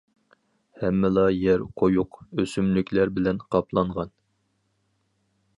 ھەممىلا يەر قويۇق ئۆسۈملۈكلەر بىلەن قاپلانغان.